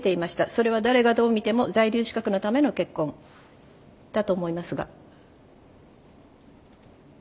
それは誰がどう見ても「在留資格のための結婚」だと思いますが。